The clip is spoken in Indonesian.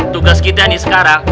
tugas kita nih sekarang